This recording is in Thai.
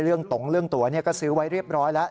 ตรงเรื่องตัวก็ซื้อไว้เรียบร้อยแล้ว